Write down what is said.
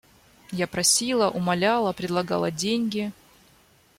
Я просила, умоляла, предлагала деньги.